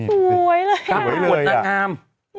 สวยเลยคักประกวดนางาม